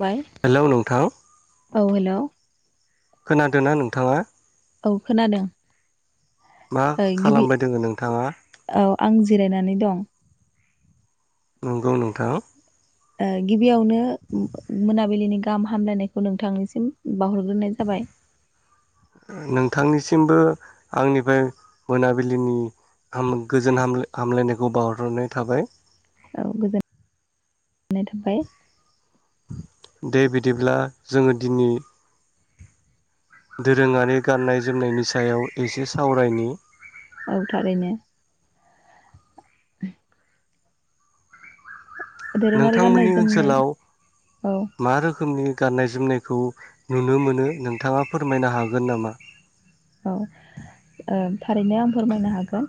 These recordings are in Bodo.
बाय हेल' नोंथां औ हेल' खोनादोंना नोंथाङा? औ खोनादों मा ओइ गिबि खालामबाय दोङो नोंथाङा औ आं जिरायनानै दं नंगौ नोंथां ओ गिबियावनो मोनाबिलिनि गाहाम हामलायनायखौ नोंथांनिसिम बावहरग्रोनाय जाबाय। सिमबो आंनिफ्राय मोनाबिलिनि हाम गोजोन हाम-हामलायनायखौ बावहरनाय थाबाय। औ गोजोन्नाय थाबाय। दे बिदिब्ला जोङो दिनि दोरोङारि गान्नाय जोमनायनि सायाव एसे सावरायनि। औ थारैनो। [inaudible] दोरोङारि गाननाय नोंथांमोननि जोमनाय ओन्सोलाव औ मा रोखोमनि गान्नाय जोमनायखौ नुनो मोनो नोंथाङा फोरमायनो हागोन नामा? औ ओ थारैनो आं फोरमायनो हागोन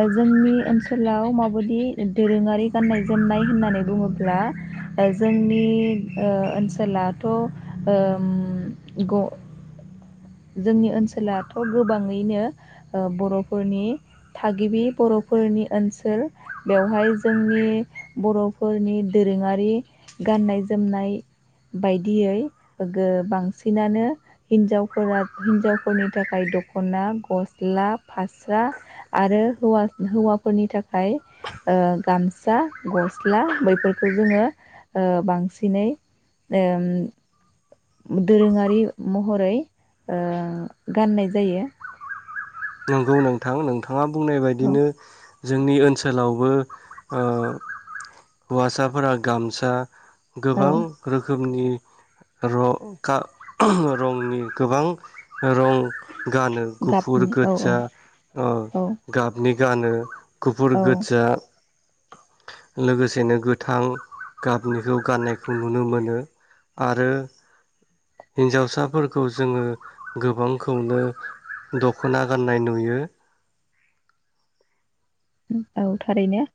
ओ जोंनि ओन्सोलाव माबायदि दोरोङारि गान्नाय जोमनाय होन्नानै बुङोब्ला ओ जोंनि ओ ओनसोलाथ ओम ग जोंनि ओन्सोलाथ गोबाङैनो ओ बर'फोरनि थागिबि बर'फोरनि ओन्सोल बेवहाय जोंनि बर'फोरनि दोरोङारि गान्नाय जोमनाय बायदियै गो बांसिनानो हिनजाव फोरा हिनजावफोरनि थाखाय दख'ना, गस्ला, फास्रा आरो हौवा-हौवाफोरनि थाखाय ओ गामसा, गस्ला बैफोरखौ जोङो बांसिनै ओम दोरोङारि महरै ओ गान्नाय जायो। नोंगौ नोंथां नों थाङा बुंनाय औ बायदिनो जोंनि ओन्सोलावबो ओ हौवासाफोरा गामसा औ गोबां रोखोम खोमनि रं खा रंनि गोबां रं गानो। गुफुर गाबनि औ औ गोजा ओ औ गाब नि गानो गुफुर, गोजा लोगोसेनो गोथां गाबनिखौ गान्नायखौ नुनो मोनो। आरो हिन्जावसाफोरखौ जोङो गोबांखौनो द ख'ना गान्नाय नुयो। औ थारैनो।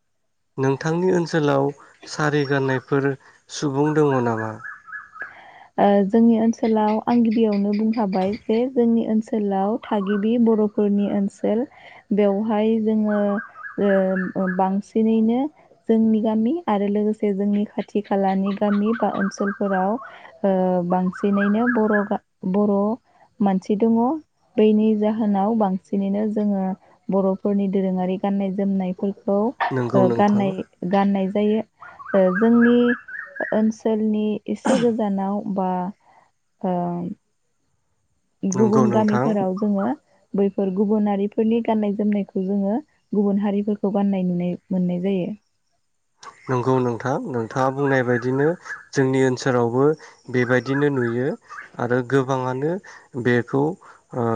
नोंथांनि ओ न्सोलाव सारि गान्नायफोर सुबुं दङ नामा? ओ जोंनि ओन्सोलाव आं गिबियावनो बुंखाबाय जे जोंनि ओन्सोलाव आं गिबियावनो बुंखांबाय बे जोंनि आ ओन्सोलाव थागिबि बर'फोरनि ओन्सोल। बेवहाय जोङो ओ बांसिनैनो जोंनि गामि आरो लोगोसे जोंनि खाथि खालानि गामि बा ओन्सोलफोराव ओ बांसिनैनो बर' गा ओ बर' मानसि दङ। बैनि जाहोनाव बांसिनैनो जोङो बर'फोरनि दोरोङारि गान्नाय जोमनायफोर खौ नंगौ ओ नोंथां गान्नाय गान्नाय जायो। ओ जोंनि ओन्सोलनि इसे गोजान आव बा ओम नंगौ गुबुन नोंथां गामिफोराव जोङो बैफोर गुबुनारिफोरनि गान्नाय जोमनायखौ जोङो गुबुन हारिफोरखौ गान्नाय नुनाय मोन्नाय जायो। नंगौ नोंथां नोंथाङा बुंनाय बायदिनो जोंनि ओन्सोलावबो बेबायदिनो नुयो आरो गोबाङानो बेखौ ओ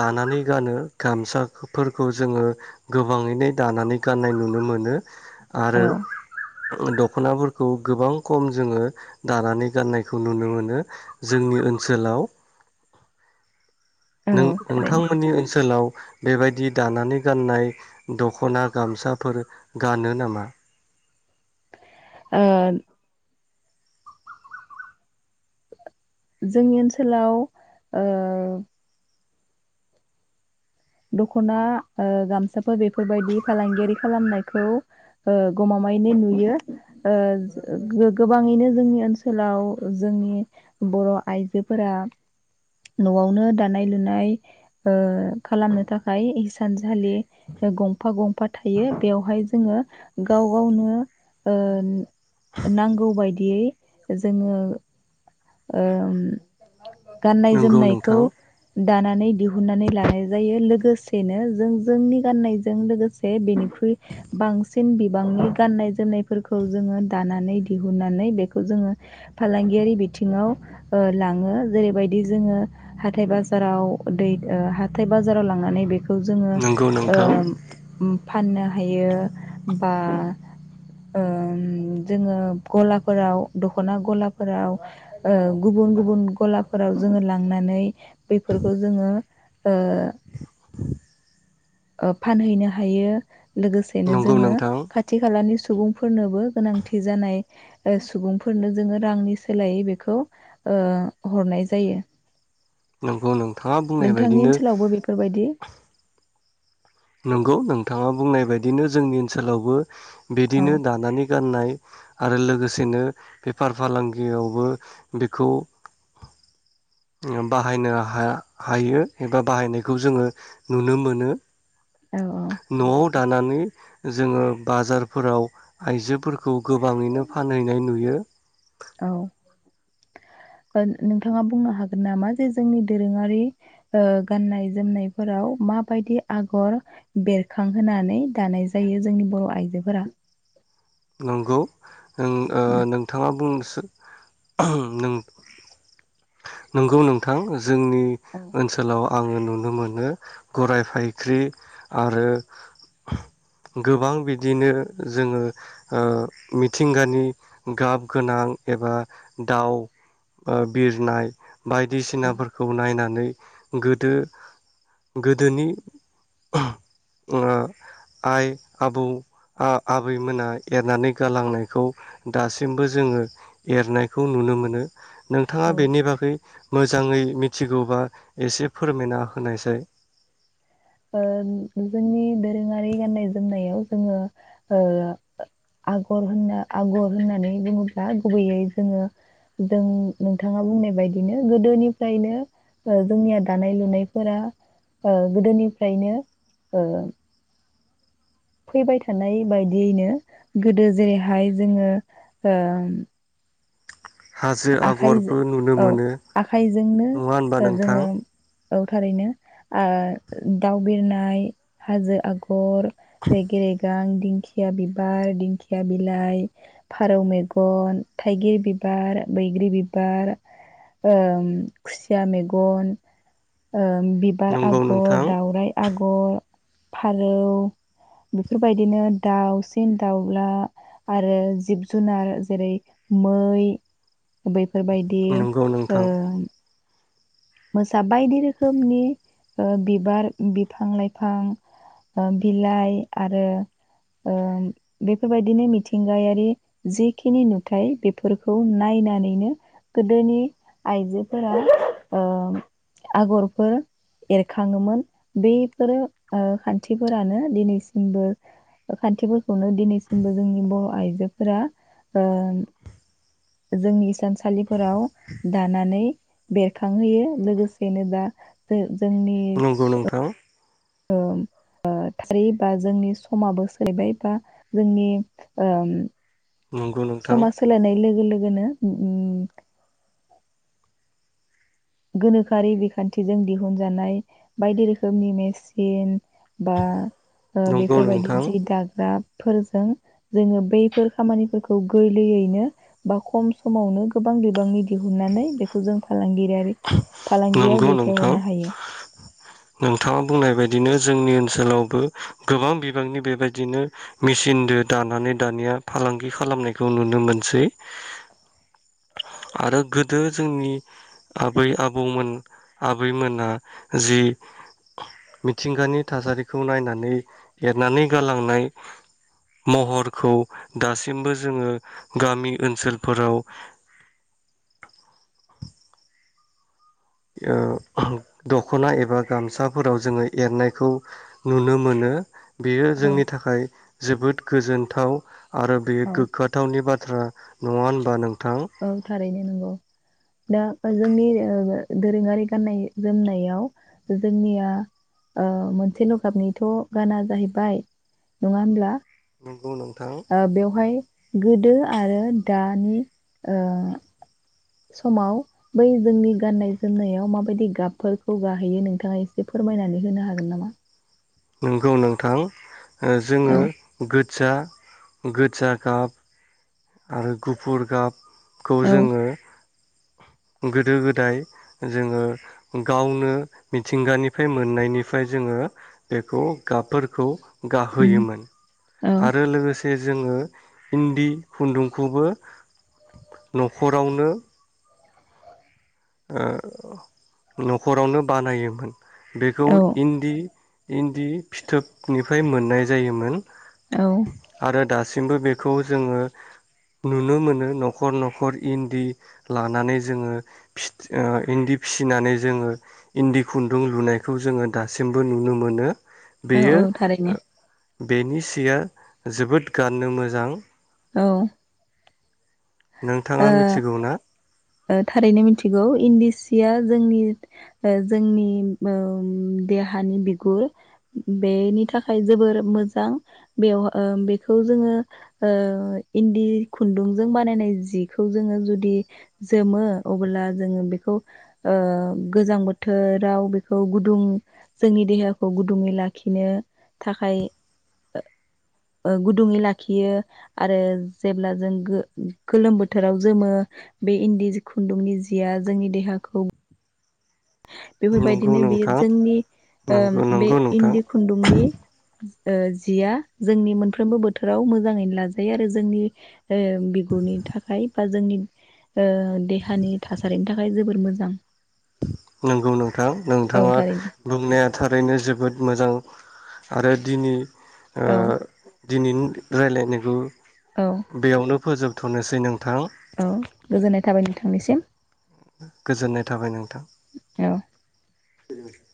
दानानै गानो् गामसाफोरखौ जोङो गोबाङैनो दानानै गान्नाय नुनो मोनो। आरो औ ओ दख'नाफोरखौ गोबां खम जोङो दानानै गाननायखौ नुनो मोनो जोंनि ओनसोलाव। नों औ थारैनो नोंथांमोननि ओनसोलाव बेबायदि दानानै गाननाय दख'ना गामसाफोर गानो नामा? ओ जोंनि ओनसोलाव ओ दख'ना ओ गामसाफोर बेफोरबायदि फालांगियारि खालामनायखौ ओ गमामायैनो नुयो। ओ गो-गोबाङैनो जोंनि ओनसोलाव जोंनि बर' आइजोफोरा न'आवनो दानाय लुनाय ओ खालामनो थाखाय हिसानसालि ओ गंफा गंफा थायो बेवहाय जोङो गाव गावनो ओ नांगौ बायदियै जोङो ओम गाननाय नंगौ जोमनायखौ नोंथां दानानै दिहुनन्नानै लानाय जायो लोगोसेनो जों जोंनि गाननायजों लोगोसे बेनिख्रुइ बांसिन बिबांनि गाननाय जोमनायफोरखौ जोङो दानानै दिहुनन्नानै बेखौ जोङो फालांगियारि बि थिङाव ओ लाङो। जेरैबायदि जोङो हाथाय बाजाराव दै ओ हाथाय बाजाराव लांनानै बेखौ खौ जोङो नंगौ ओ नोंथां उम फाननो हायो बा ओ जोङो ग'लाफोराव दख'ना ग'लाफोराव ओ गुबुन गुबुन ग'लाफोराव जोङो लांनानै बेफोरखौ जोङो ओ ओ फानहैनो हायो। लोगोसेनो नंगौ जोङो नोंथां खाथि खालानि सुबुंफोरनोबो गोनांथि जानाय ओ सुबुंफोरनो जोङो रांनि सोलायै बेखौ ओ हरनाय जायो। नंगौ नोंथाङा बुंनाय नोंथांनि बायदिनो ओनसोलावबो बेफोरबायदि नंगौ नोंथाङा बुंनाय बायदिनो जोंनि ओनसोलावबो औ बिदिनो दानानै गाननाय आरो लोगोसेनो बेफार फालांगियावबो बेखौ बाहायनो हा-हायो एबा बाहायनायखौ जोङो नुनो मोनो। औ औ न'आव दानानै जोङो बाजारफोराव आइजोफोर खौ गोबाङैनो फानहैनाय नुयो। औ ओ नोंथाङा बुंनो हागोन नामा जे जोंनि दोरोङारि ओ गाननाय, जोमनायफोराव माबायदि आगर बेरखांहोनानै दानाय जायो जोंनि बर' आइजोफोरा? नंगौ नों ओ उम नोंथाङा बुं [unintelligible] नोंगौ नोंथां जोंनि औ ओनसोलाव आङो नुनो मोनो गराय फायख्रि आरो गोबां बिदिनो जोङो ओ मिथिंगानि गाब गोनां एबा दाउ ओ बिरनाय औ बायदिसिनाफोरखौ नायनानै गोदो गोदोनि ओ आइ, आबौ, आ-आबैमोना एरनानै गालांनायखौ दासिमबो जोङो एरनायखौ नुनो मोनो। नोंथाङा बेनि बागै मोजाङै मिथिगौबा एसे फोरमायना होनायसाय। ओ जोंनि दोरोङारि गाननाय जोमनायाव जोङो ओ आगर होनना आगर होननानै बुङोब्ला गुबैयै जोङो जों नोंथाङा बुंनाय बायदिनो गोदोनिफ्रायनो ओ जोंनिया दानाय लुनायफोरा ओ गोदोनि फ्रायनो ओ फैबाय थानाय बायदियैनो गोदो जेरैहाय जोङो ओ हाजो आखाइजो आगरबो नुनो औ मोनो आखाइजोंनो नङा होनबा नोंथां? जोङो औ थारैनो आ दाउ बिरनाय, हाजो आगर, रेगे रेगां, दिंखिया बिबार, दिंखिया बिलाइ, फारौ मेगन, थाइगिर बिबार, बैग्रि बिबार, ओ खुसिया मेगन, ओ बिबार नंगौ आगर, नोंथां दावराइ आगर, फारौ बेफोरबायदिनो दाउसिन दाउला आरो जिब जुनार जेरै मै बैफो बेफोरबायदि नंगौ ओ नोंथां मोसा बायदि रोखोमनि ओ बिबार बिफां लाइफां ओ बिलाइ आरो बेफोरबायदिनो मिथिंगायारि जिखिनि नुथाय बेफोरखौ नायनानैनो गोदोनि आइजोफोरा अ आगरफोर एरखाङोमोन बैफोरो ओ खान्थिफोरानो दिनैसिमबो खान्थिफोरखौनो दिनैसिमबो जोंनि बर' आइजोफोरा ओ जोंनि इस सानलिफोराव दानानै बे थांहोयो लोगोसेनो दा जोंनि नंगौ नोंथां ओं ओ थारै बा जोंनि समाबो सोलैबाय बा जोंनि ओ नंगौ नोंथां समा सोलायनाय लोगो लोगो गोनो उम गोनोखोआरि बिखान्थिजों दिहुनजानाय बायदि रोखोमनि मेसिन बा ओ नंगौ बेफोरबायदि नोंथां जि दाग्रा फोरजों जोङो बैफोर खामानिफोरखौ गोरलैयैनो बा खम समावनो गोबां बिबांनि दिहुननानै बेखौ जों फालांगिरियारि फालांगियाव नंगौ नोंथां दैथायहरनो हायो। नोंथाङा बुंनाय बायदिनो जोंनि ओनसोलावबो गोबां बिबांनि बेबायदिनो मेचिनदो दानानै दानिया फालांगि खालामनायखौ नुनो मोनसै। आरो गोदो जोंनि आबै आबौमोन आबैमोना जि मिथिंगानि थासारिखौ नायनानै एरनानै गालांनाय महरखौ दासिमबो जोङो गामि ओनसोलफोराव ओ दख'ना एबा गामसाफोराव जोङो एरनायखौ नुनो मोनो। बेयो औ जोंनि थाखाय जोबोद गोजोन्थाव। आरो बेयो औ गोग्गोाथावनि बाथ्रा। नङा होनबा नों औ थारैनो नंगौ। दा जोंनि ओ दोरोङारि गाननाय जोमनायाव जोंनिया ओ मोनसेल' गाबनिथ' गाना जाहैबाय नङा होमब्ला? नंगौ नोंथां ओ बेवहाय गोदो आरो दानि ओ समाव बै जोंनि गाननाय जोमनायाव माबायदि गाबफोरखौ गाहैयो नोंथाङा एसे फोरमायनानै होनो हागोन नामा? नोंगौ नोंथां ओ जोङो औ गो खोथिया गोजा गाब आरो गुफुर गाब खौ औ जोङो गोदो गोदाय जोङो गावनो मिथिंगानिफ्राय मोननायनिफ्राय जोङो बेखौ गाबफोरखौ उम गाहोयोमोन औ आरो लोगोसे जे जोङो इन्दि खुन्दुंखौबो न'खरावनो ओ न'खरावनो बानायोमोन। बेखौ औ इन्दि इन्दि फिथोबनिफ्राय मोननाय जायोमोन। औ आरो दासिम दासिमबो बेखौ जोङो नुनो मोनो न'खर न'खर इन्दि लानानै जोङो फिथि इन्दि फिसिनानै जोङो इन्दि खुन्दुं लुनायखौ जोङो दासिमबो नुनो मोनो। औ बेयो औ थारैनो बेनि सिया जोबोद गाननो मोजां औ नोंथाङा मिथिगौ ना ओ थारैनो ओ मिथिगौ इन्दि सि या जोंनि ओ देहानि बिगुर बेनि थाखाय जोबोर मोजां जो ओ इन्दि खुन्दुं बानाय जिखौ जोङो जुदि जोमो अब्ला जोङो बेखौ ओ गोजां बोथोराव बेखौ गुदुं जोंनि देहाखौ गुदुङै लाखिनो थाखाय ओ गु-गुदुङै लाखियो आरो जेब्ला जों बेखौ गोलोम बोथोराव जोमो बे इन्दि खुन्दुंनि जिया जोंनि देहाखौ नंगौ बेफोरबायदिनो बेयो नोंथां जोंनि ओ नंगौ बे नंगौ नोंथां इन्दि खुन्दुंनि ओ जिया जोंनि मोनफ्रोमबो बोथोराव मोजाङैनो लाजायो आरो जोंनि ओ बिगुरनि थाखाय ओ जोंनि ओ देहानि थासारिनि थाखाय जोबोर मोजां नंगौ नोंथां औ नोंथाङा थारैनो बुंनाया थारैनो जोबोद मोजां आरो दिनै ओ औ दिनैनि रायलायनायखौ औ बेयावनो फोजोबथ'नोसै नों औ गोजोननाय थाबाय नोंथांनिसिम गोजोननाय थाबाय नोंथां। औ। [inaudible]